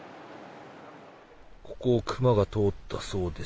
ここをクマが通ったそうです。